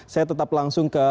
saya tetap langsung ke